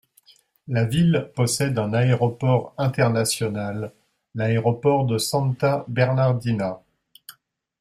La ville possède un aéroport international, l'Aéroport de Santa Bernardina.